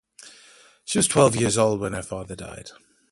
She was twelve years old when her father died.